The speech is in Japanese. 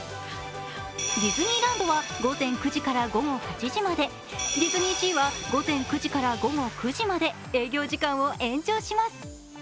ディズニーランドは午前９時から午後８時までディズニーシーは午前９時から午後９時まで営業時間を延長します。